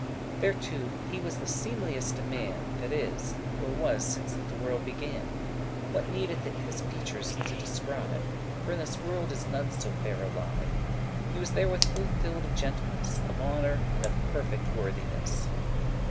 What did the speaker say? Thereto he was the seemlieste man That is, or was since that the world began; What needeth it his features to descrive? For in this world is none so fair alive. He was therewith full fill'd of gentleness, Of honour, and of perfect worthiness.